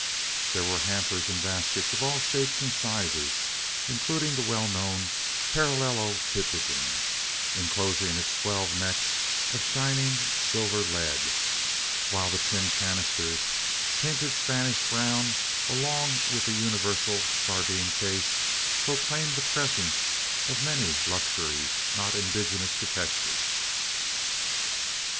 There were hampers and baskets of all shapes and sizes, including the well known parallelopipedon, enclosing its twelve necks of shining silver lead; while the tin canisters, painted Spanish brown, along with the universal sardine case, proclaimed the presence of many luxuries not indigenous to Texas.